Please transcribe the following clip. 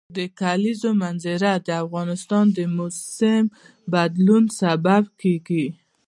د کلیزو منظره د افغانستان د موسم د بدلون سبب کېږي.